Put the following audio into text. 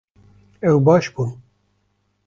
Ew baş bûn